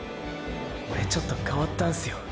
オレちょっと変わったんすよ。